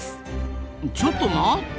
ちょっと待った！